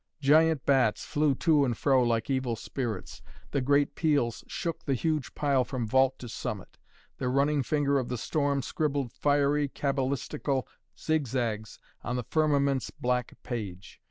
Giant bats flew to and fro like evil spirits. The great peals shook the huge pile from vault to summit. The running finger of the storm scribbled fiery, cabalistical zigzags on the firmament's black page.